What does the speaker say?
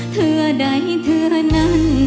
เธอใดเธอนั้น